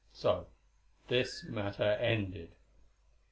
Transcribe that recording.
So this matter ended.